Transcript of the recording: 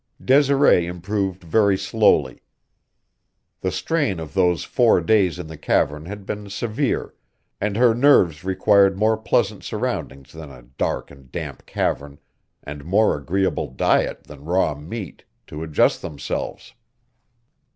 Desiree improved very slowly. The strain of those four days in the cavern had been severe, and her nerves required more pleasant surroundings than a dark and damp cavern and more agreeable diet than raw meat, to adjust themselves.